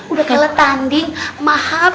udah kalah tanding maaf